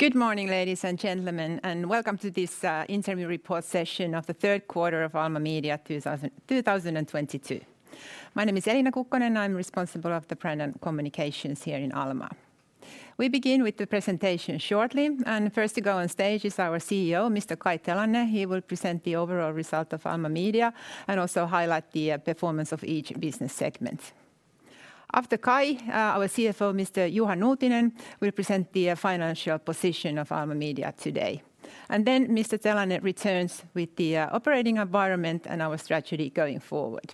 Good morning, ladies and gentlemen, and welcome to this interim report session of the third quarter of Alma Media 2022. My name is Elina Kukkonen, I'm responsible for the brand and communications here in Alma. We begin with the presentation shortly, and first to go on stage is our CEO, Mr. Kai Telanne. He will present the overall result of Alma Media and also highlight the performance of each business segment. After Kai, our CFO, Mr. Juha Nuutinen, will present the financial position of Alma Media today. Then Mr. Telanne returns with the operating environment and our strategy going forward.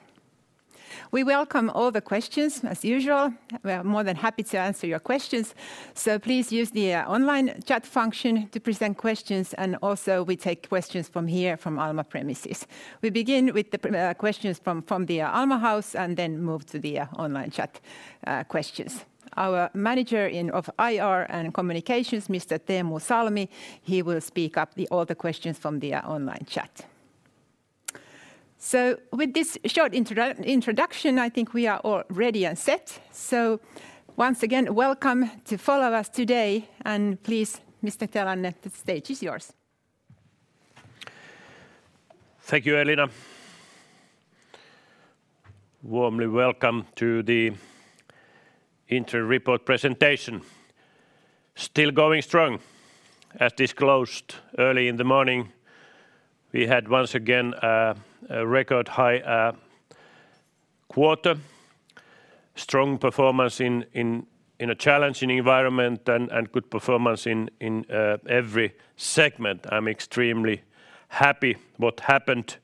We welcome all the questions, as usual. We are more than happy to answer your questions. Please use the online chat function to present questions, and also we take questions from here from Alma premises. We begin with the pre-questions from the Alma house and then move to the online chat questions. Our manager of IR and communications, Mr. Teemu Salmi, he will speak up all the questions from the online chat. With this short introduction, I think we are all ready and set. Once again, welcome to follow us today. Please, Mr. Telanne, the stage is yours. Thank you, Elina. Warmly welcome to the interim report presentation. Still going strong. As disclosed early in the morning, we had once again a record high quarter. Strong performance in a challenging environment and good performance in every segment. I'm extremely happy what happened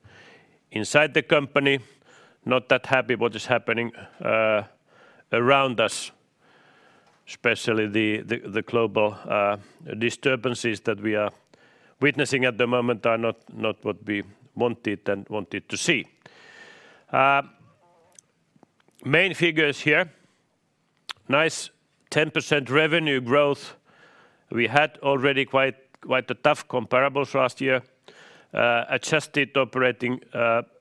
inside the company. Not that happy what is happening around us, especially the global disturbances that we are witnessing at the moment are not what we wanted to see. Main figures here. Nice 10% revenue growth. We had already quite a tough comparables last year. Adjusted operating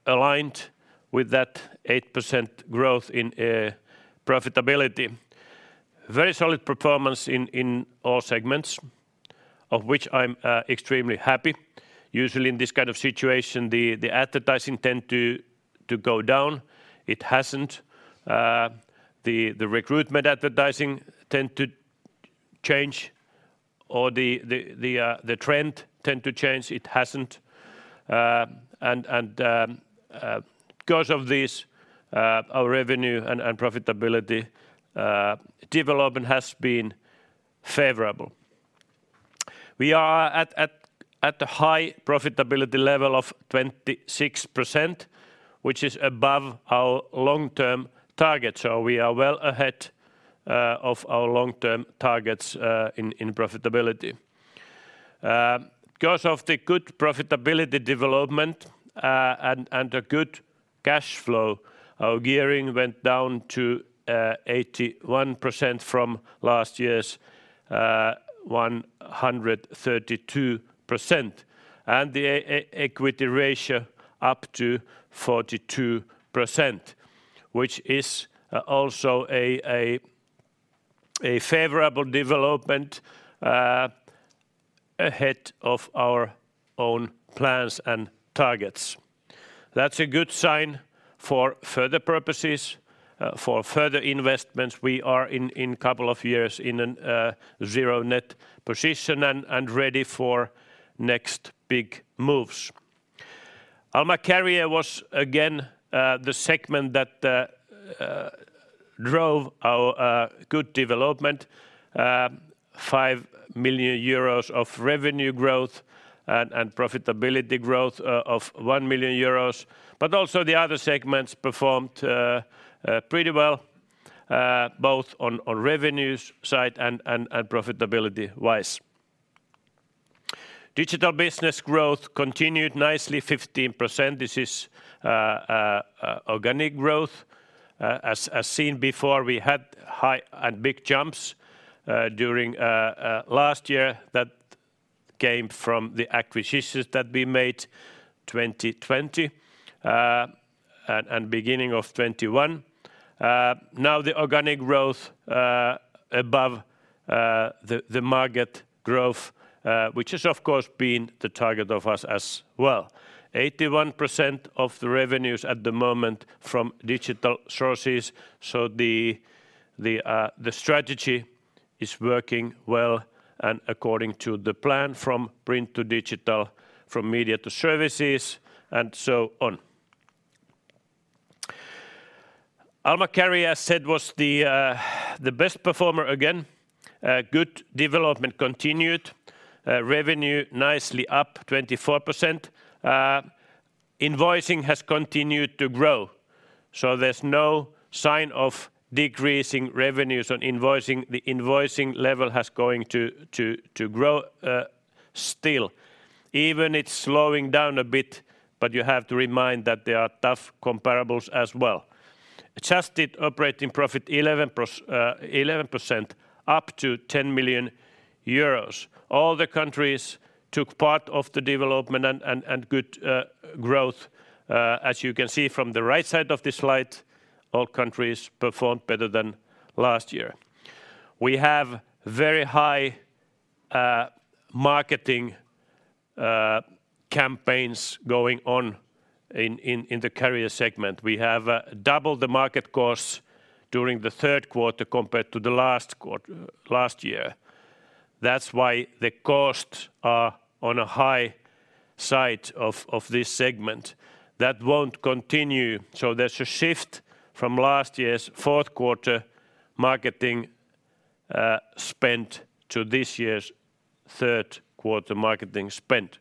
aligned with that 8% growth in profitability. Very solid performance in all segments, of which I'm extremely happy. Usually in this kind of situation, the advertising tend to go down. It hasn't. The recruitment advertising trend tends to change. It hasn't. Because of this, our revenue and profitability development has been favorable. We are at a high profitability level of 26%, which is above our long-term target. We are well ahead of our long-term targets in profitability. Because of the good profitability development and the good cash flow, our gearing went down to 81% from last year's 132%. The equity ratio up to 42%, which is also a favorable development ahead of our own plans and targets. That's a good sign for further purposes for further investments. We are in a couple of years in a zero net position and ready for next big moves. Alma Career was again the segment that drove our good development, 5 million euros of revenue growth and profitability growth of 1 million euros. Also the other segments performed pretty well both on revenues side and profitability-wise. Digital business growth continued nicely 15%. This is organic growth. As seen before, we had high and big jumps during last year that came from the acquisitions that we made 2020 and beginning of 2021. Now the organic growth above the market growth which has of course been the target of us as well. 81% of the revenues at the moment from digital sources, so the strategy is working well and according to the plan from print to digital, from media to services, and so on. Alma Career was the best performer again. Good development continued. Revenue nicely up 24%. Invoicing has continued to grow, so there's no sign of decreasing revenues on invoicing. The invoicing level is going to grow still. Even it's slowing down a bit, but you have to remember that there are tough comparables as well. Adjusted operating profit 11% up to 10 million euros. All the countries took part in the development and good growth. As you can see from the right side of this slide, all countries performed better than last year. We have very high marketing campaigns going on in the career segment. We have doubled the marketing costs during the third quarter compared to the last quarter last year. That's why the costs are on the high side of this segment. That won't continue, so there's a shift from last year's fourth quarter marketing spend to this year's third quarter marketing spend.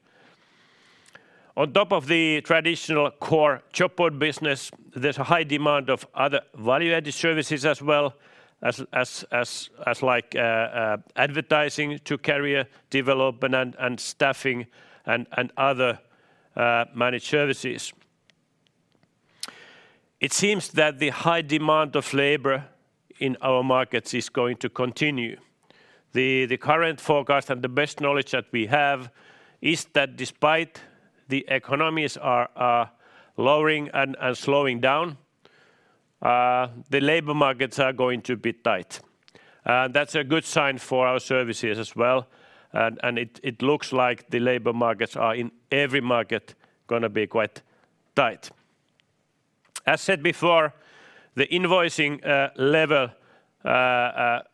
On top of the traditional core job board business, there's a high demand of other value-added services as well as like advertising to career development and staffing and other managed services. It seems that the high demand of labor in our markets is going to continue. The current forecast and the best knowledge that we have is that despite the economies are lowering and slowing down, the labor markets are going to be tight. That's a good sign for our services as well and it looks like the labor markets are in every market gonna be quite tight. As said before, the invoicing level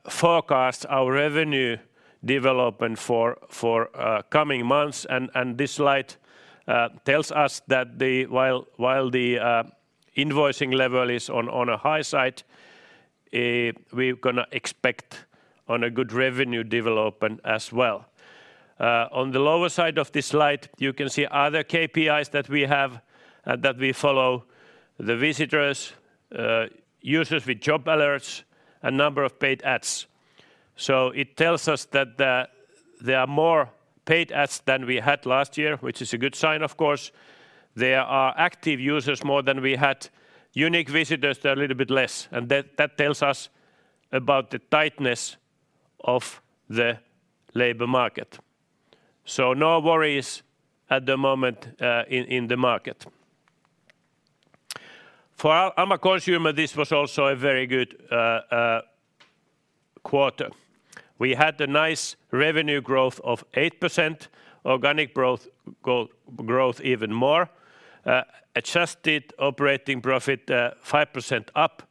forecasts our revenue development for coming months and this slide tells us that while the invoicing level is on a high side, we're gonna expect on a good revenue development as well. On the lower side of this slide, you can see other KPIs that we have and that we follow the visitors, users with job alerts, and number of paid ads. It tells us that there are more paid ads than we had last year, which is a good sign of course. There are active users more than we had. Unique visitors, they're a little bit less, and that tells us about the tightness of the labor market. No worries at the moment in the market. For our Alma Consumer, this was also a very good quarter. We had a nice revenue growth of 8%, organic growth even more, adjusted operating profit 5% up.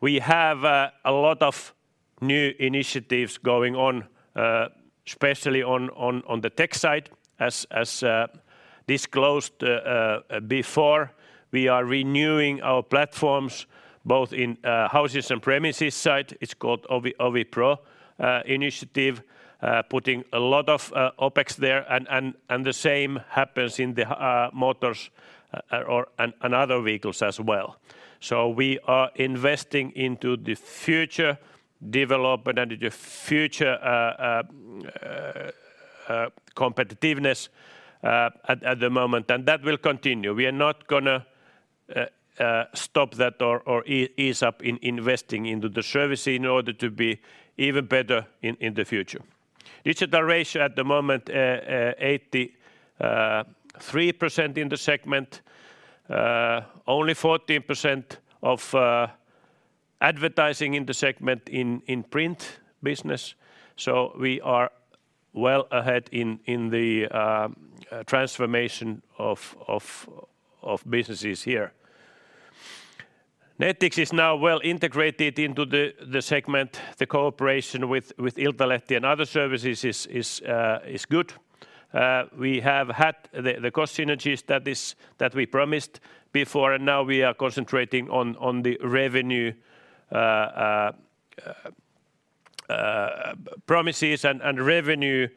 We have a lot of new initiatives going on, especially on the tech side. As disclosed before, we are renewing our platforms both in houses and premises side. It's called Etuovi Pro, initiative, putting a lot of OPEX there and the same happens in the motors and other vehicles as well. We are investing into the future development and the future competitiveness at the moment, and that will continue. We are not gonna stop that or ease up in investing into the service in order to be even better in the future. Digital ratio at the moment, 83% in the segment. Only 14% of advertising in the segment in print business, so we are well ahead in the transformation of businesses here. Nettix is now well integrated into the segment. The cooperation with Iltalehti and other services is good. We have had the cost synergies that we promised before, and now we are concentrating on the revenue promises and revenue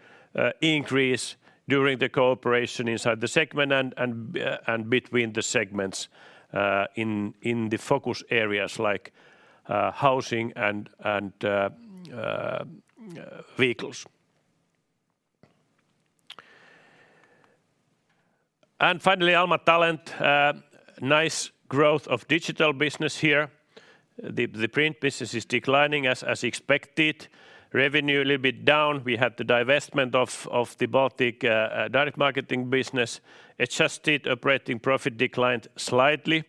increase during the cooperation inside the segment and between the segments in the focus areas like housing and vehicles. Finally, Alma Talent nice growth of digital business here. The print business is declining as expected. Revenue a little bit down. We had the divestment of the Baltic direct marketing business. Adjusted operating profit declined slightly,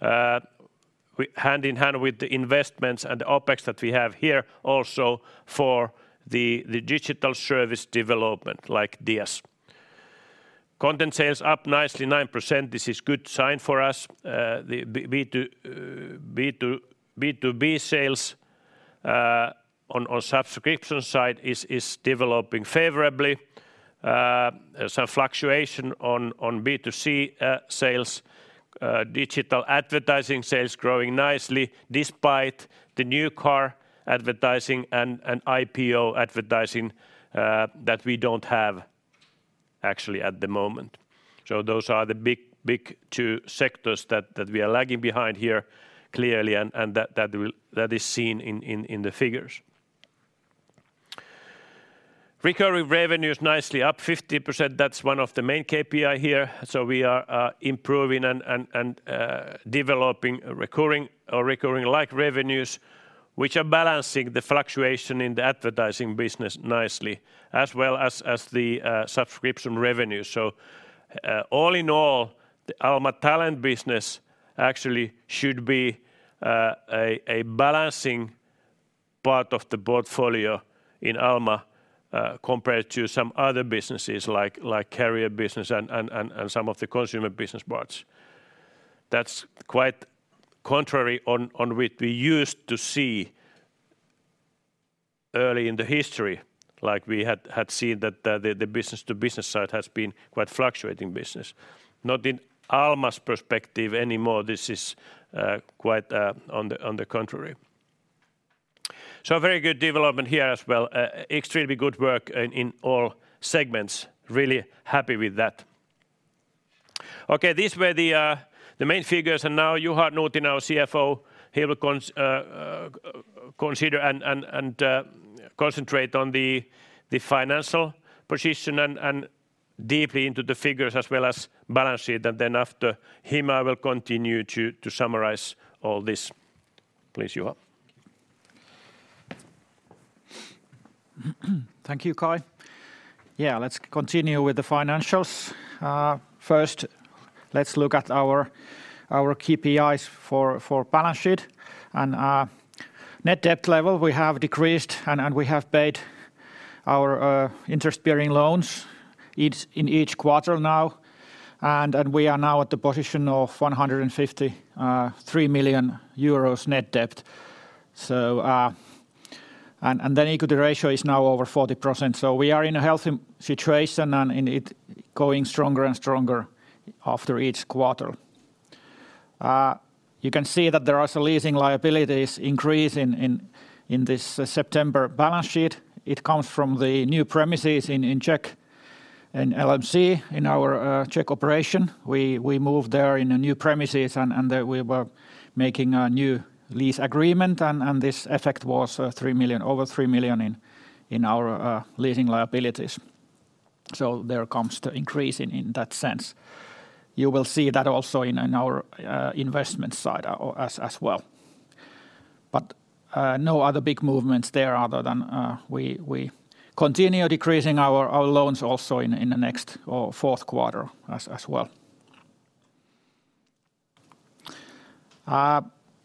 hand in hand with the investments and OPEX that we have here also for the digital service development like DS. Content sales up nicely, 9%. This is good sign for us. The B2B sales on subscription side is developing favorably. Some fluctuation on B2C sales. Digital advertising sales growing nicely despite the new car advertising and IPO advertising that we don't have actually at the moment. Those are the big two sectors that we are lagging behind here clearly and that is seen in the figures. Recurring revenues nicely up 50%. That's one of the main KPI here. We are improving and developing recurring or recurring-like revenues, which are balancing the fluctuation in the advertising business nicely as well as the subscription revenues. All in all, the Alma Talent business actually should be a balancing part of the portfolio in Alma, compared to some other businesses like Career business and some of the consumer business parts. That's quite contrary to what we used to see early in the history, like we had seen that the business to business side has been quite fluctuating business. Not in Alma's perspective anymore. This is quite on the contrary. Very good development here as well. Extremely good work in all segments. Really happy with that. Okay. These were the main figures and now Juha Nuutinen, our CFO, he will consider and concentrate on the financial position and deeply into the figures as well as balance sheet and then after him, I will continue to summarize all this. Please, Juha Nuutinen. Thank you, Kai. Yeah, let's continue with the financials. First, let's look at our KPIs for balance sheet and net debt level we have decreased and we have paid our interest bearing loans in each quarter now, and we are now at the position of 153 million euros net debt. Then equity ratio is now over 40%, so we are in a healthy situation and it's going stronger and stronger after each quarter. You can see that there are some increase in leasing liabilities in this September balance sheet. It comes from the new premises in Czech and LMC, in our Czech operation. We moved there in a new premises and there we were making a new lease agreement and this effect was over 3 million in our leasing liabilities. There comes the increase in that sense. You will see that also in our investment side as well. No other big movements there other than we continue decreasing our loans also in the next or fourth quarter as well.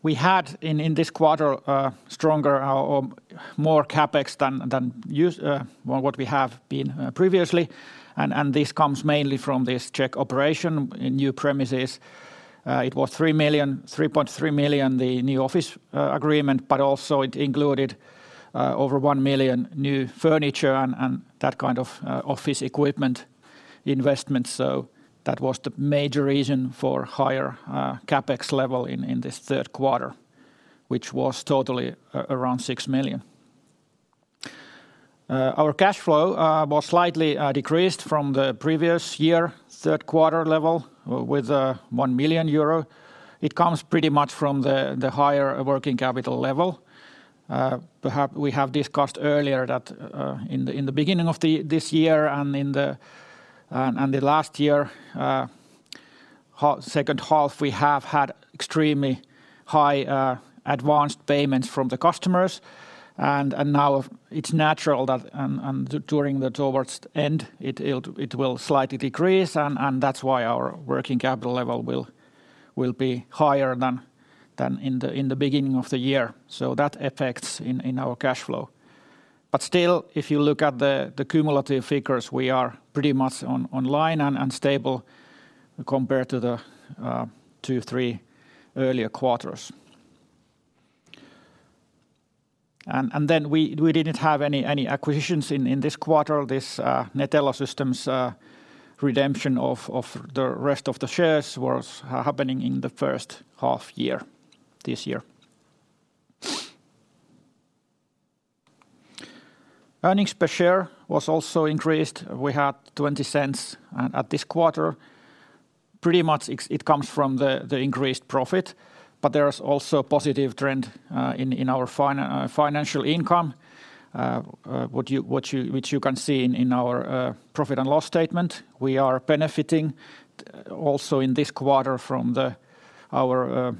We had in this quarter stronger or more CapEx than usual or what we have been previously and this comes mainly from this Czech operation in new premises. It was 3.3 million, the new office agreement, but also it included over 1 million new furniture and that kind of office equipment investment. That was the major reason for higher CapEx level in this third quarter, which was totally around 6 million. Our cash flow was slightly decreased from the previous year, third quarter level with 1 million euro. It comes pretty much from the higher working capital level. Perhaps we have discussed earlier that in the beginning of this year and in the second half, we have had extremely high advance payments from the customers and now it's natural that towards the end it will slightly decrease and that's why our working capital level will be higher than in the beginning of the year. That affects our cash flow. But still, if you look at the cumulative figures, we are pretty much on line and stable compared to the two, three earlier quarters. Then we didn't have any acquisitions in this quarter. This Netello Systems redemption of the rest of the shares was happening in the first half year, this year. Earnings per share was also increased. We had 0.20 this quarter. Pretty much it comes from the increased profit, but there is also a positive trend in our financial income, which you can see in our profit and loss statement. We are benefiting also in this quarter from our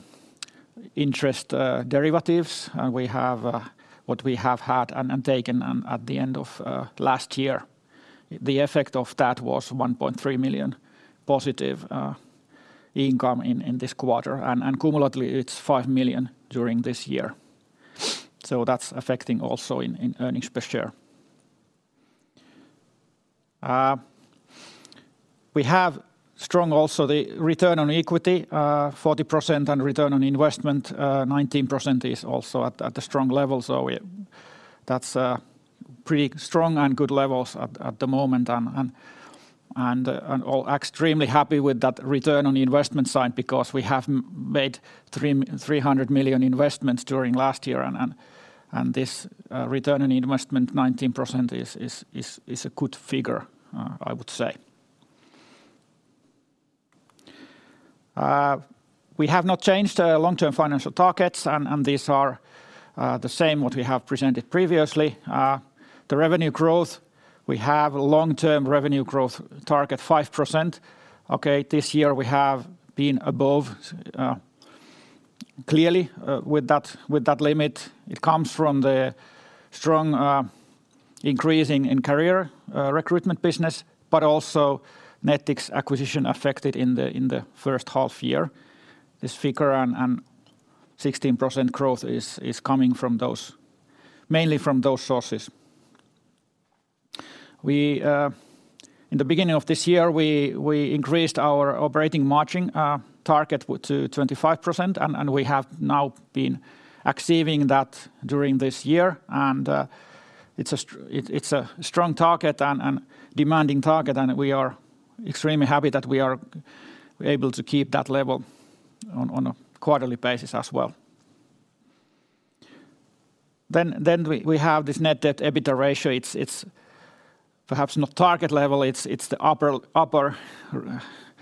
interest derivatives, and we have what we have had and taken at the end of last year. The effect of that was 1.3 million positive income in this quarter and cumulatively it's 5 million during this year. So that's affecting also in earnings per share. We have strong also the return on equity, 40% and return on investment, 19% is also at a strong level. That's pretty strong and good levels at the moment and extremely happy with that return on investment side because we have made 300 million investments during last year and this return on investment 19% is a good figure, I would say. We have not changed long-term financial targets and these are the same what we have presented previously. The revenue growth, we have long-term revenue growth target 5%. Okay, this year we have been above clearly with that limit. It comes from the strong increasing in career recruitment business, but also Nettix acquisition affected in the first half year. This figure and 16% growth is coming from those mainly from those sources. In the beginning of this year, we increased our operating margin target to 25% and we have now been exceeding that during this year. It's a strong target and demanding target, and we are extremely happy that we are able to keep that level on a quarterly basis as well. We have this net debt EBITDA ratio. It's perhaps not target level. It's the upper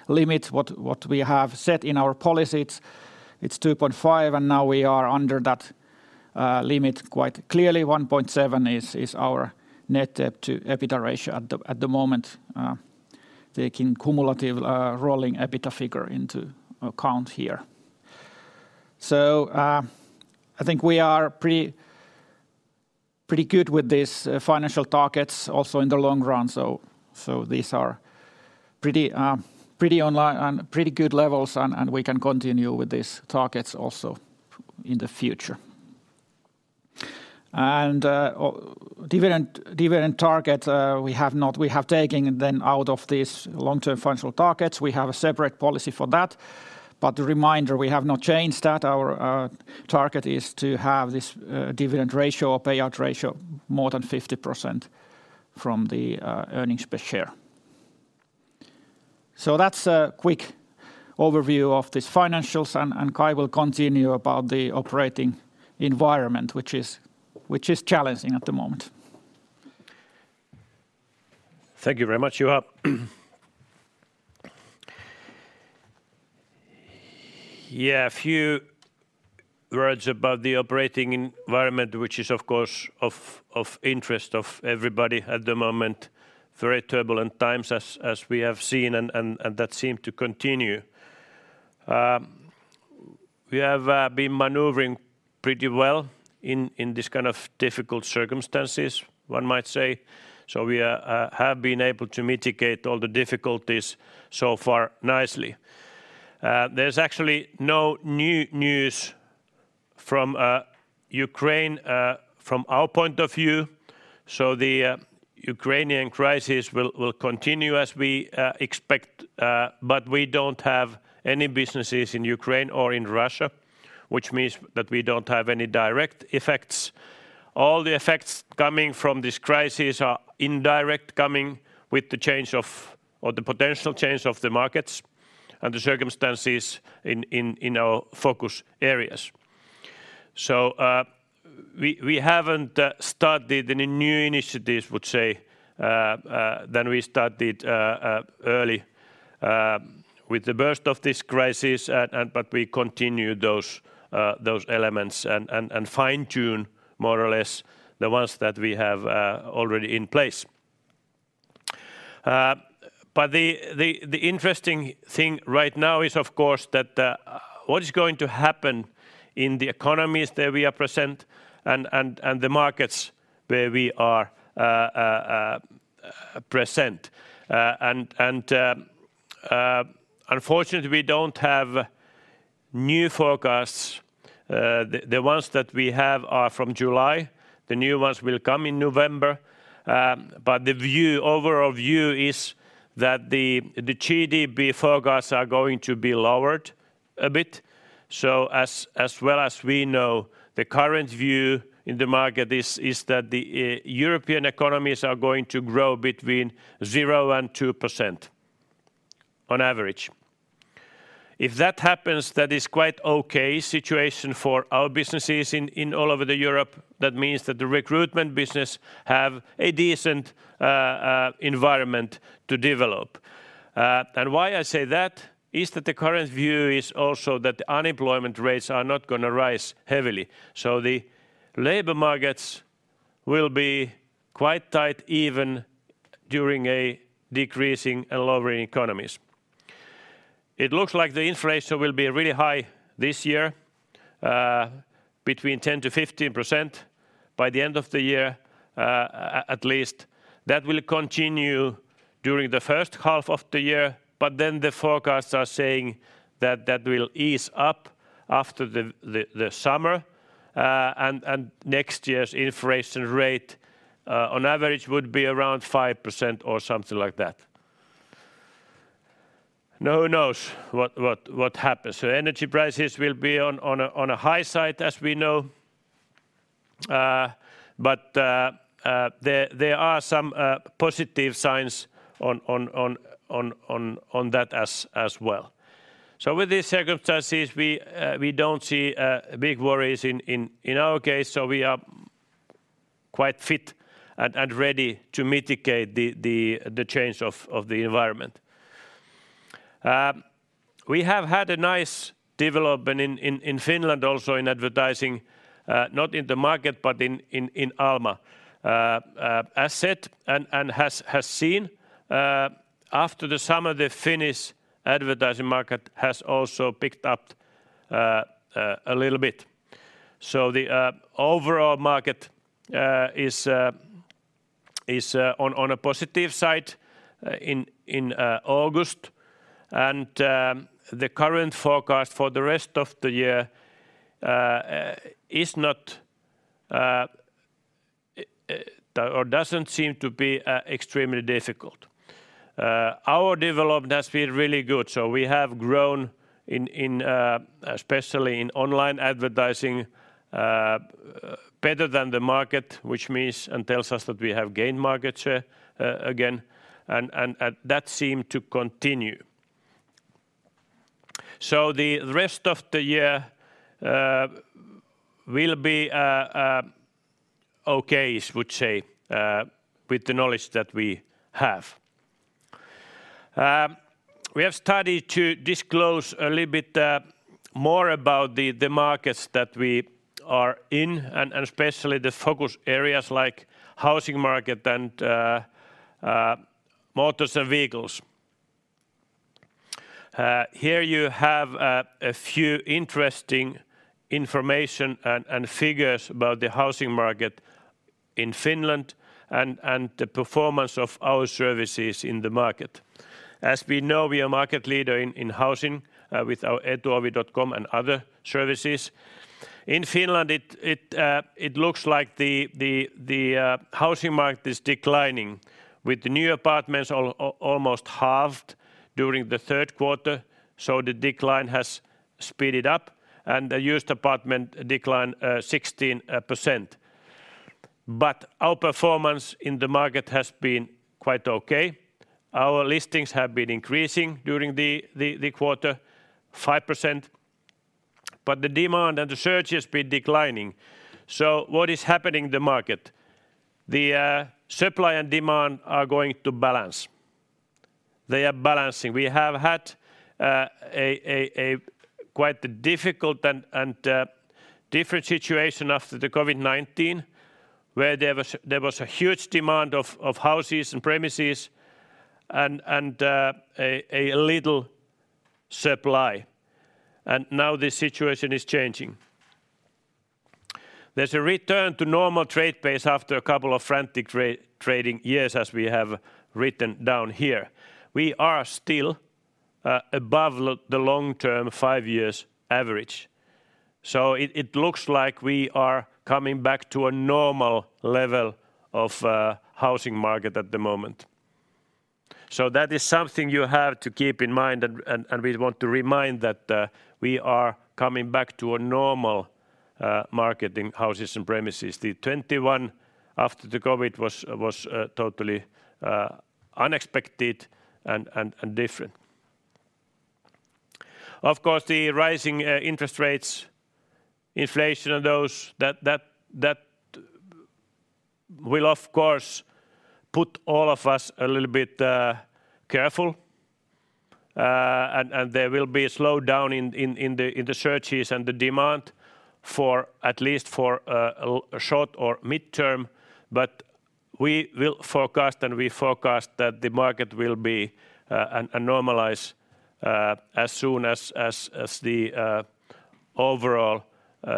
limit what we have set in our policy. It's 2.5, and now we are under that limit quite clearly. 1.7 is our net debt to EBITDA ratio at the moment, taking cumulative rolling EBITDA figure into account here. I think we are pretty good with these financial targets also in the long run. These are pretty in line and pretty good levels, and we can continue with these targets also in the future. Dividend target, we have taken them out of these long-term financial targets. We have a separate policy for that. A reminder, we have not changed that. Our target is to have this dividend ratio or payout ratio more than 50% from the earnings per share. That's a quick overview of these financials, and Kai will continue about the operating environment, which is challenging at the moment. Thank you very much, Juha. Yeah, a few words about the operating environment, which is of course of interest to everybody at the moment. Very turbulent times as we have seen and that seem to continue. We have been maneuvering pretty well in these kind of difficult circumstances, one might say. We have been able to mitigate all the difficulties so far nicely. There's actually no new news from Ukraine from our point of view. The Ukrainian crisis will continue as we expect, but we don't have any businesses in Ukraine or in Russia, which means that we don't have any direct effects. All the effects coming from this crisis are indirect coming with the change of, or the potential change of the markets and the circumstances in our focus areas. We haven't started any new initiatives, I would say, other than we started early with the burst of this crisis, but we continue those elements and fine-tune more or less the ones that we have already in place. The interesting thing right now is of course that what is going to happen in the economies that we are present in and the markets where we are present. Unfortunately, we don't have new forecasts. The ones that we have are from July. The new ones will come in November. The overall view is that the GDP forecasts are going to be lowered a bit. As well as we know, the current view in the market is that the European economies are going to grow between 0% and 2% on average. If that happens, that is quite okay situation for our businesses in all over Europe. That means that the recruitment business have a decent environment to develop. Why I say that is that the current view is also that unemployment rates are not gonna rise heavily. The labor markets will be quite tight even during a decreasing and lowering economies. It looks like the inflation will be really high this year, between 10%-15% by the end of the year, at least. That will continue during the first half of the year, but then the forecasts are saying that that will ease up after the summer. Next year's inflation rate, on average, would be around 5% or something like that. No one knows what happens. Energy prices will be on a high side, as we know. There are some positive signs on that as well. With these circumstances, we don't see big worries in our case. We are quite fit and ready to mitigate the change of the environment. We have had a nice development in Finland also in advertising, not in the market, but in Alma. After the summer, the Finnish advertising market has also picked up a little bit. The overall market is on a positive side in August and the current forecast for the rest of the year is not or doesn't seem to be extremely difficult. Our development has been really good, so we have grown in especially in online advertising better than the market, which means and tells us that we have gained market share again and that seem to continue. The rest of the year will be okay I would say with the knowledge that we have. We have started to disclose a little bit more about the markets that we are in and especially the focus areas like housing market and motors and vehicles. Here you have a few interesting information and figures about the housing market in Finland and the performance of our services in the market. As we know, we are market leader in housing with our Etuovi.com and other services. In Finland it looks like the housing market is declining with new apartments almost halved during the third quarter, so the decline has speeded up and the used apartment declined 16%. Our performance in the market has been quite okay. Our listings have been increasing during the quarter 5%, but the demand and the search has been declining. What is happening in the market? The supply and demand are going to balance. They are balancing. We have had a quite difficult and different situation after the COVID-19 where there was a huge demand of houses and premises and a little supply. Now the situation is changing. There's a return to normal trade pace after a couple of frantic trading years, as we have written down here. We are still above the long-term five-year average. It looks like we are coming back to a normal level of housing market at the moment. That is something you have to keep in mind and we want to remind that we are coming back to a normal market in houses and premises. The 2021 after the COVID was totally unexpected and different. Of course, the rising interest rates, inflation and that will of course put all of us a little bit careful. There will be a slowdown in the searches and the demand for at least a short or midterm. We forecast that the market will normalize as soon as the overall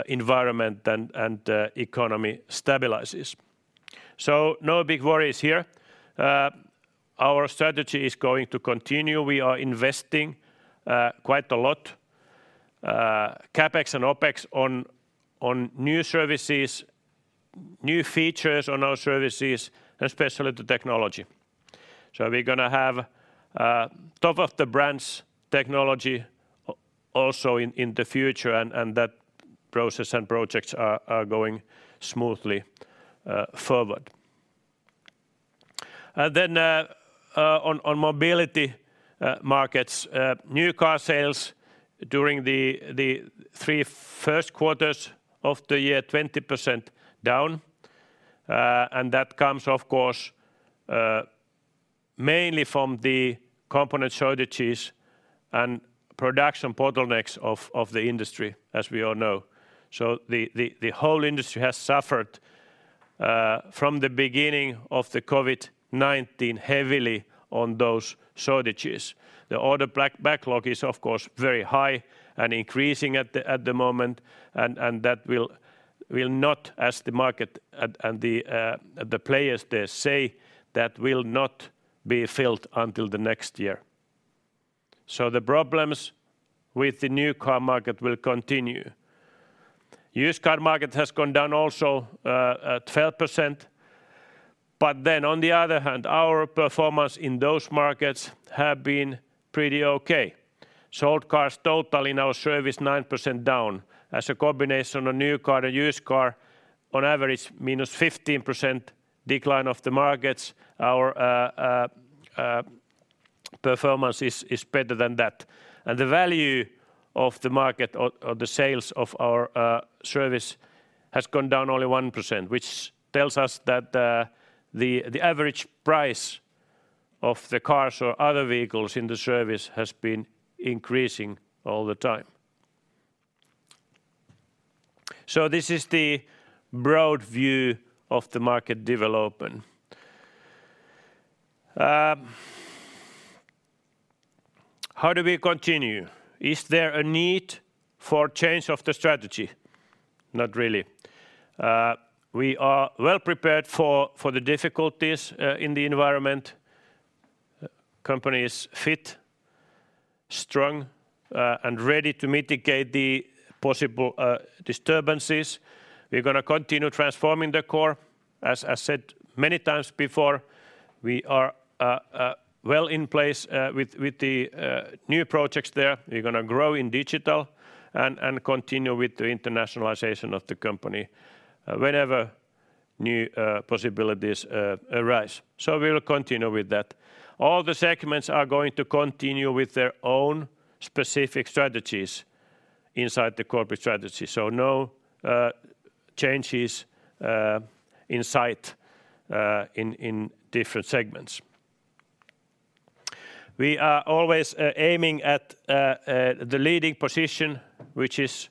environment and economy stabilizes. No big worries here. Our strategy is going to continue. We are investing quite a lot CapEx and OpEx on new services, new features on our services, especially the technology. We're gonna have top-of-the-brands technology also in the future and that process and projects are going smoothly forward. On mobility markets, new car sales during the three first quarters of the year 20% down. That comes of course mainly from the component shortages and production bottlenecks of the industry, as we all know. The whole industry has suffered from the beginning of the COVID-19 heavily on those shortages. The order backlog is of course very high and increasing at the moment and that will not as the market and the players there say that will not be filled until the next year. The problems with the new car market will continue. Used car market has gone down also at 12%. On the other hand, our performance in those markets have been pretty okay. Sold cars total in our service 9% down. As a combination of new car to used car, on average -15% decline of the markets. Our performance is better than that. The value of the market or the sales of our service has gone down only 1%, which tells us that the average price of the cars or other vehicles in the service has been increasing all the time. This is the broad view of the market development. How do we continue? Is there a need for change of the strategy? Not really. We are well-prepared for the difficulties in the environment. Company is fit, strong, and ready to mitigate the possible disturbances. We're gonna continue transforming the core. As said many times before, we are well in place with the new projects there. We're gonna grow in digital and continue with the internationalization of the company whenever new possibilities arise. We'll continue with that. All the segments are going to continue with their own specific strategies inside the corporate strategy so no changes in sight in different segments. We are always aiming at the leading position, which is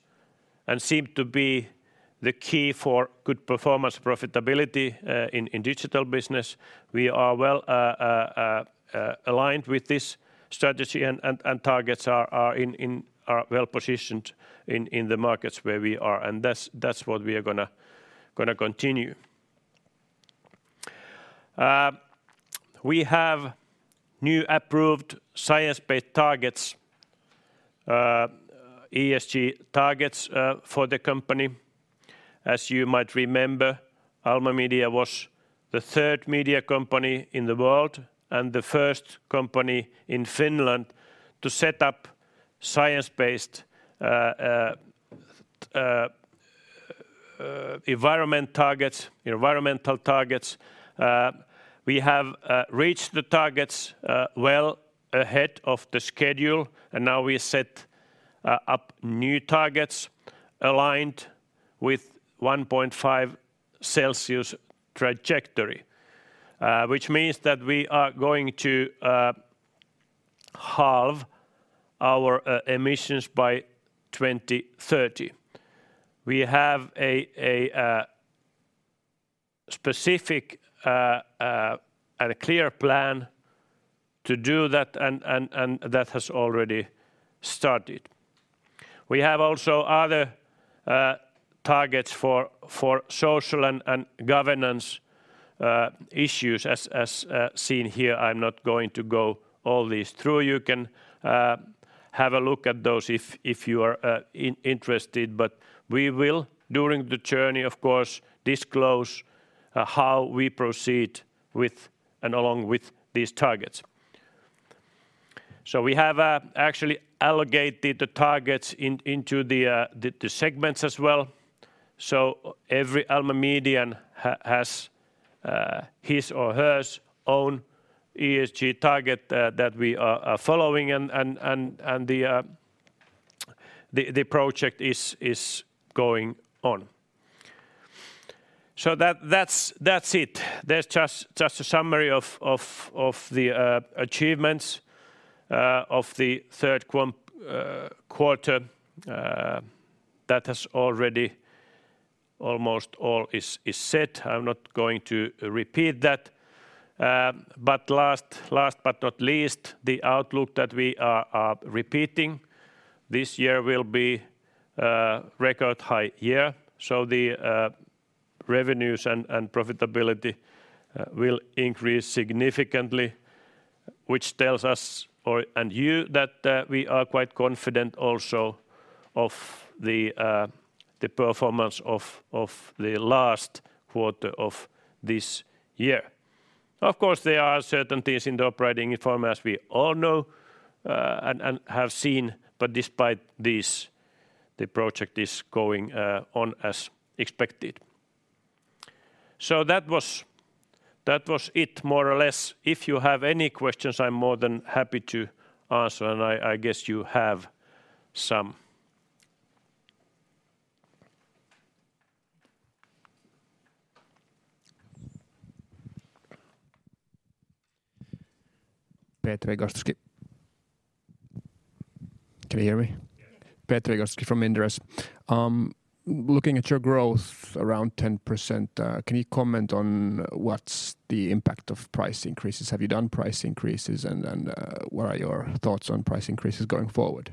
and seem to be the key for good performance profitability in digital business. We are well aligned with this strategy and targets are well-positioned in the markets where we are, and that's what we are gonna continue. We have new approved science-based targets, ESG targets, for the company. As you might remember, Alma Media was the third media company in the world and the first company in Finland to set up science-based environmental targets. We have reached the targets well ahead of the schedule, and now we set up new targets aligned with 1.5 Celsius trajectory, which means that we are going to halve our emissions by 2030. We have a specific and a clear plan to do that and that has already started. We have also other targets for social and governance issues as seen here. I'm not going to go all these through. You can have a look at those if you are interested, but we will during the journey of course disclose how we proceed with and along with these targets. We have actually allocated the targets into the segments as well. Every Alma Media has his or hers own ESG target that we are following and the project is going on. That's it. There's just a summary of the achievements of the third quarter that has already almost all is set. I'm not going to repeat that. Last but not least, the outlook that we are repeating this year will be a record high year. The revenues and profitability will increase significantly, which tells us and you that we are quite confident also of the performance of the last quarter of this year. Of course, there are uncertainties in the operating environment as we all know and have seen, but despite this, the project is going on as expected. That was it more or less. If you have any questions, I'm more than happy to answer, and I guess you have some. Petri Gostowski. Can you hear me? Yes. Petri Gostowski from Inderes. Looking at your growth around 10%, can you comment on what's the impact of price increases? Have you done price increases and then, what are your thoughts on price increases going forward?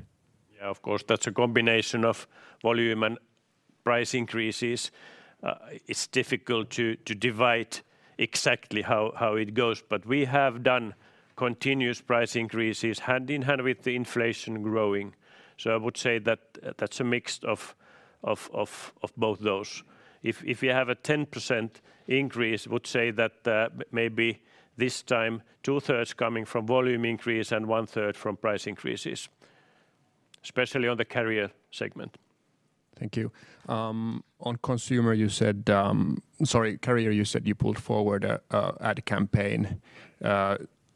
Yeah, of course, that's a combination of volume and price increases. It's difficult to divide exactly how it goes, but we have done continuous price increases hand in hand with the inflation growing. I would say that that's a mix of both those. If you have a 10% increase, I would say that maybe this time two-thirds coming from volume increase and one-third from price increases, especially on the Career segment. Thank you. On Consumer you said, sorry, Consumer you said you pulled forward a ad campaign.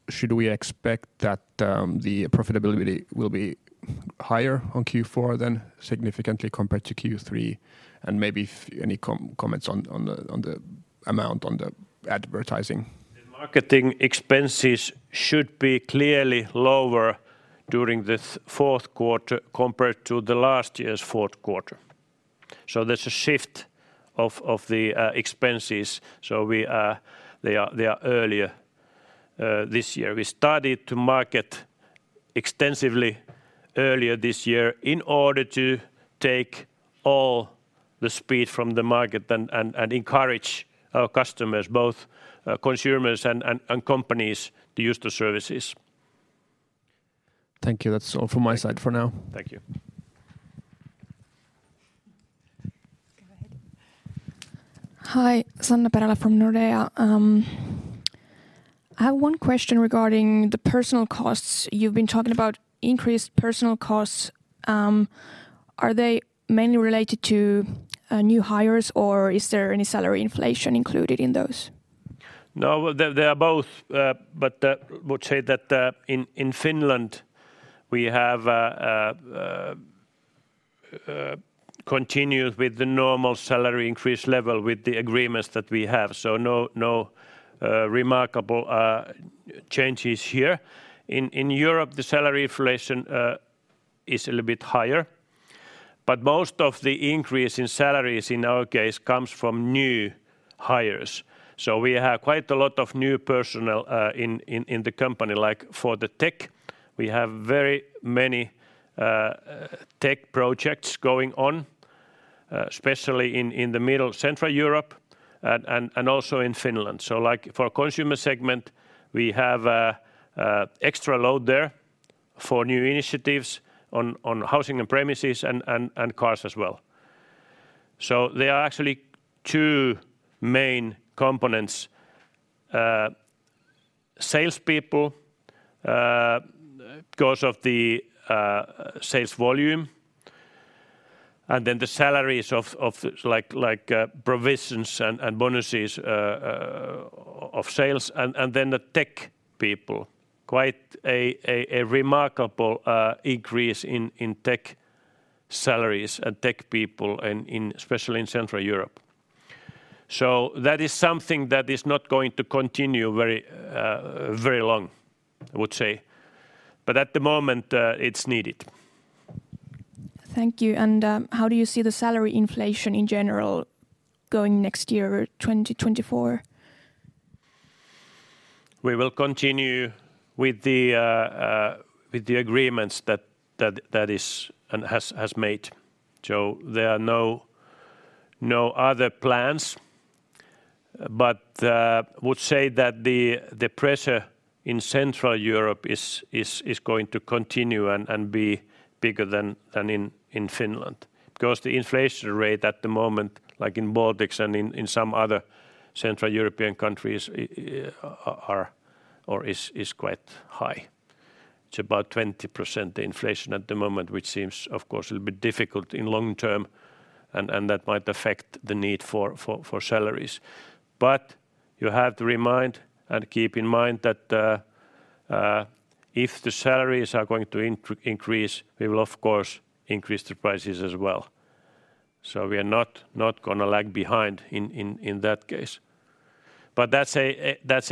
Should we expect that the profitability will be higher on Q4 than significantly compared to Q3? Maybe any comments on the. amount on the advertising The marketing expenses should be clearly lower during the fourth quarter compared to the last year's fourth quarter. There's a shift of the expenses, so they are earlier this year. We started to market extensively earlier this year in order to take all the speed from the market and encourage our customers, both consumers and companies, to use the services. Thank you. That's all from my side for now. Thank you. Go ahead. Hi. Sanna Perälä from Nordea. I have one question regarding the personnel costs. You've been talking about increased personnel costs. Are they mainly related to new hires, or is there any salary inflation included in those? No, they are both, but would say that in Finland, we have continued with the normal salary increase level with the agreements that we have, so no remarkable changes here. In Europe, the salary inflation is a little bit higher, but most of the increase in salaries in our case comes from new hires. We have quite a lot of new personnel in the company, like for the tech, we have very many tech projects going on, especially in the middle of Central Europe and also in Finland. Like, for consumer segment, we have extra load there for new initiatives on housing and premises and cars as well. There are actually two main components. Salespeople, because of the sales volume, and then the salaries of like provisions and bonuses of sales, and then the tech people. Quite a remarkable increase in tech salaries and tech people in especially in Central Europe. That is something that is not going to continue very very long, I would say. At the moment, it's needed. Thank you. How do you see the salary inflation in general going next year or 2024? We will continue with the agreements that is and has made, so there are no other plans. Would say that the pressure in Central Europe is going to continue and be bigger than in Finland because the inflation rate at the moment, like in Baltics and in some other Central European countries, is quite high. It's about 20% inflation at the moment, which seems, of course, a little bit difficult in long term, and that might affect the need for salaries. You have to remind and keep in mind that if the salaries are going to increase, we will of course increase the prices as well. We're not gonna lag behind in that case. That's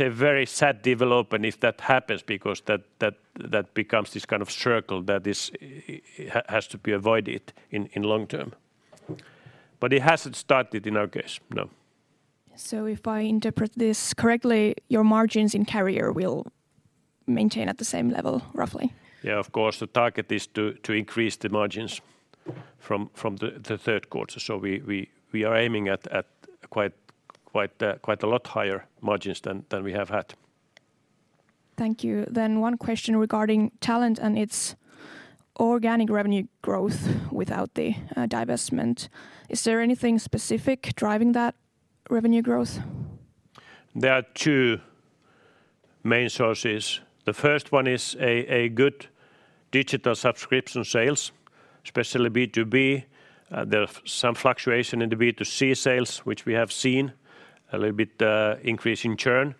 a very sad development if that happens because that becomes this kind of circle that has to be avoided in long term. It hasn't started in our case, no. If I interpret this correctly, your margins in Career will maintain at the same level roughly? Yeah, of course, the target is to increase the margins from the third quarter, so we are aiming at quite a lot higher margins than we have had. Thank you. One question regarding Talent and its organic revenue growth without the divestment. Is there anything specific driving that revenue growth? There are two main sources. The first one is a good digital subscription sales, especially B2B. There's some fluctuation in the B2C sales, which we have seen, a little bit increase in churn.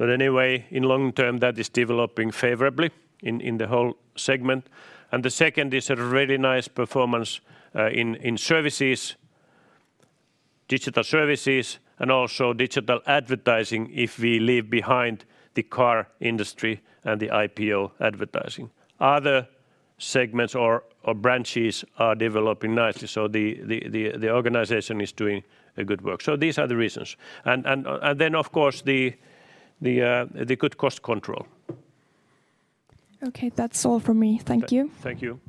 Anyway, in long term, that is developing favorably in the whole segment. The second is a really nice performance in services, digital services, and also digital advertising if we leave behind the car industry and the IPO advertising. Other segments or branches are developing nicely, so the organization is doing a good work. These are the reasons. Then of course the good cost control. Okay. That's all from me. Thank you. Thank you.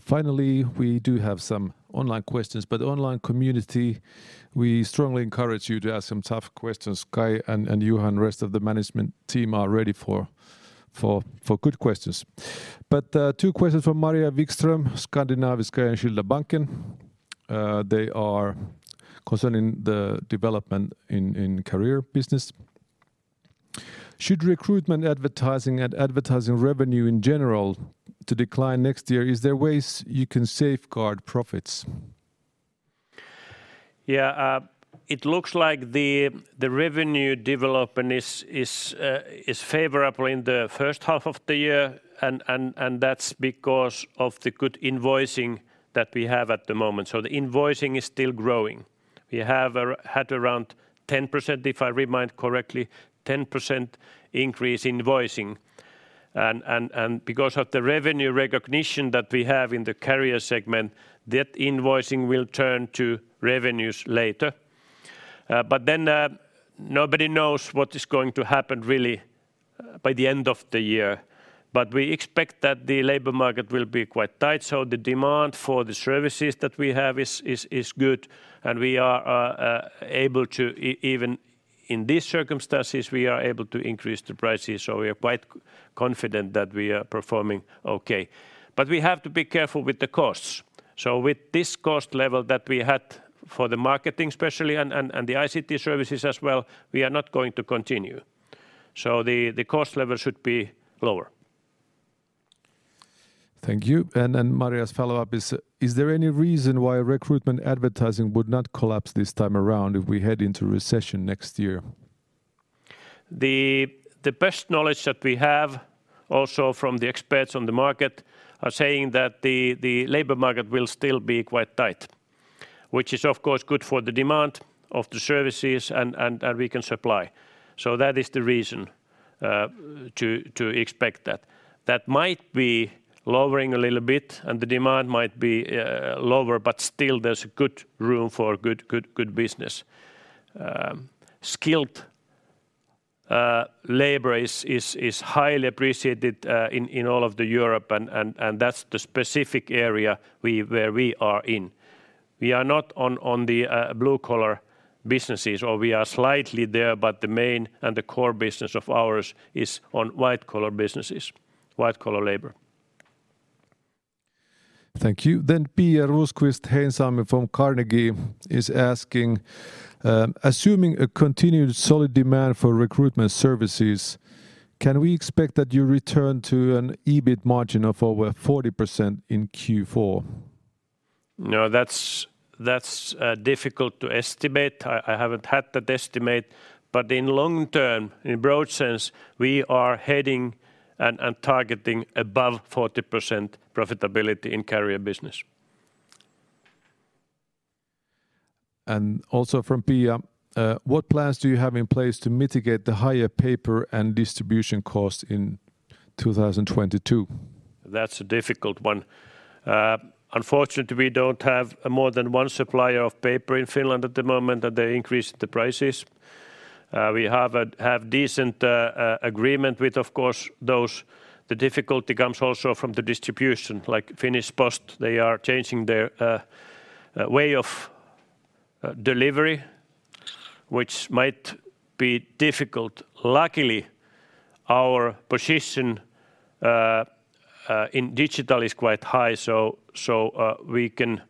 Finally, we do have some online questions. Online community, we strongly encourage you to ask some tough questions. Kai and Juha and rest of the management team are ready for good questions. Two questions from Maria Wikström, Skandinaviska Enskilda Banken. They are concerning the development in career business. Should recruitment advertising and advertising revenue in general to decline next year, is there ways you can safeguard profits? Yeah, it looks like the revenue development is favorable in the first half of the year and that's because of the good invoicing that we have at the moment. The invoicing is still growing. We had around 10%, if I remember correctly, 10% increase invoicing. Because of the revenue recognition that we have in the Career segment, that invoicing will turn to revenues later. Nobody knows what is going to happen really by the end of the year. We expect that the labor market will be quite tight, so the demand for the services that we have is good and we are able to even in these circumstances increase the prices, so we are quite confident that we are performing okay. We have to be careful with the costs. With this cost level that we had for the marketing especially and the ICT services as well, we are not going to continue. The cost level should be lower. Thank you. Maria Wikström's follow-up is, "Is there any reason why recruitment advertising would not collapse this time around if we head into recession next year? The best knowledge that we have also from the experts on the market are saying that the labor market will still be quite tight, which is of course good for the demand of the services and we can supply. That is the reason to expect that. That might be lowering a little bit, and the demand might be lower, but still there's good room for good business. Skilled labor is highly appreciated in all of the Europe and that's the specific area where we are in. We are not on the blue collar businesses, or we are slightly there, but the main and the core business of ours is on white collar businesses, white collar labor. Thank you. Pia Rosqvist-Heinsalmi from Carnegie is asking, "Assuming a continued solid demand for recruitment services, can we expect that you return to an EBIT margin of over 40% in Q4? No, that's difficult to estimate. I haven't had that estimate. In long term, in broad sense, we are heading and targeting above 40% profitability in Career business. Also from Pia, "What plans do you have in place to mitigate the higher paper and distribution costs in 2022? That's a difficult one. Unfortunately, we don't have more than one supplier of paper in Finland at the moment, and they increased the prices. We have a decent agreement with, of course, those. The difficulty comes also from the distribution, like Posti, they are changing their way of delivery, which might be difficult. Luckily, our position in digital is quite high, so we can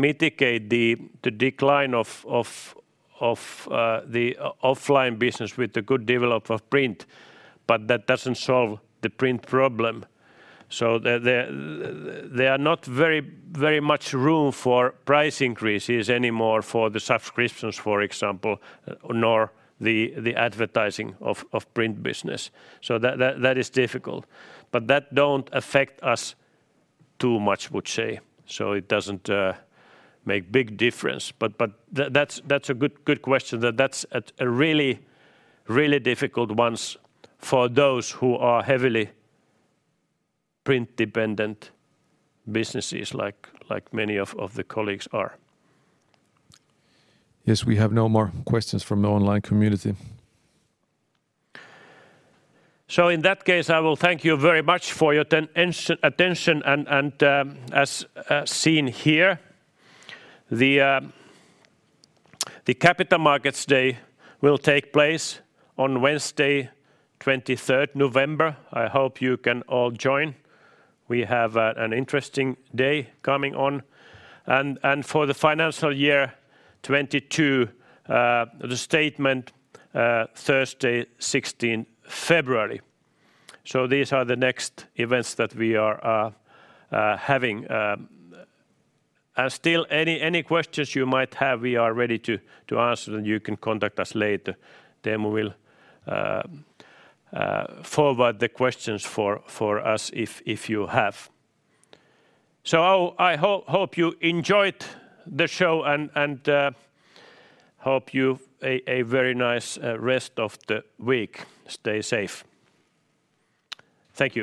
mitigate the decline of the offline business with the good development of print, but that doesn't solve the print problem. There are not very much room for price increases anymore for the subscriptions, for example, nor the advertising of print business. That is difficult. That don't affect us too much, I would say, so it doesn't make big difference. That's a good question. That's a really difficult ones for those who are heavily print-dependent businesses like many of the colleagues are. Yes, we have no more questions from the online community. In that case, I will thank you very much for your attention and, as seen here, the Capital Markets Day will take place on Wednesday, 23rd November. I hope you can all join. We have an interesting day coming on. For the financial year 2022, the statement, Thursday, 16th February. These are the next events that we are having, and any questions you might have, we are ready to answer, and you can contact us later. We will forward the questions to us if you have. I hope you enjoyed the show and hope you have a very nice rest of the week. Stay safe. Thank you.